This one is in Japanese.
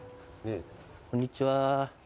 こんにちは。